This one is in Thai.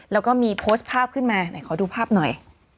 แล้วก็มีโพสต์ภาพขึ้นมาไหนขอดูภาพหน่อย